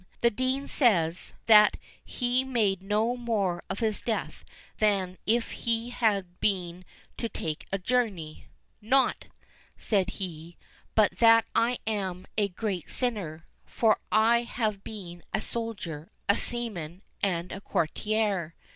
The dean says, that he made no more of his death than if he had been to take a journey: "Not," said he, "but that I am a great sinner, for I have been a soldier, a seaman, and a courtier."